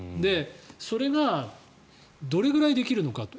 それがどれぐらいできるのかと。